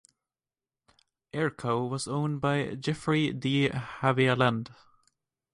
Airco was owned by Geoffrey de Havilland.